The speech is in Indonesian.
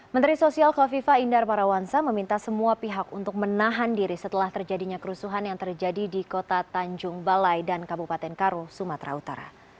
menteri sosial kofifa indar parawansa meminta semua pihak untuk menahan diri setelah terjadinya kerusuhan yang terjadi di kota tanjung balai dan kabupaten karo sumatera utara